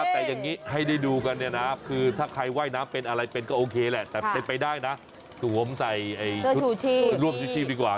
แต่อย่างนี้ให้ได้ดูกันเนี่ยนะคือถ้าใครว่ายน้ำเป็นอะไรเป็นก็โอเคแหละแต่เป็นไปได้นะสวมใส่ชุดร่วมชูชีพดีกว่า